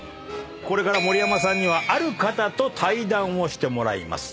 これから盛山さんにはある方と対談をしてもらいます。